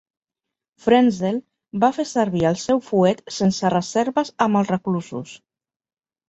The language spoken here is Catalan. Frenzel va fer servir el seu fuet sense reserves amb els reclusos.